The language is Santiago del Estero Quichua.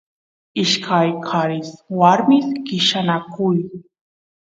ishkay qaris warmis willanakuy